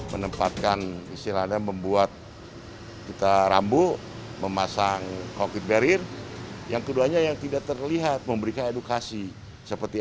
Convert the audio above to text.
menempatkan istilahnya membuat kita rambu memasang cockpit barrier yang keduanya yang tidak terlihat memberikan edukasi